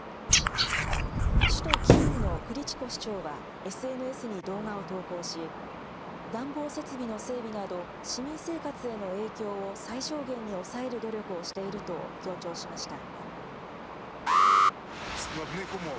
首都キーウのクリチコ市長は、ＳＮＳに動画を投稿し、暖房設備の整備など、市民生活への影響を最小限に抑える努力をしていると強調しました。